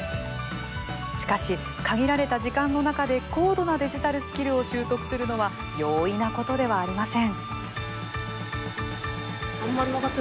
しかし、限られた時間の中で高度なデジタルスキルを習得するのは容易なことではありません。